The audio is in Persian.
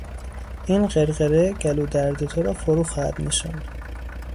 این غرغره گلو درد تو را فرو خواهد نشاند.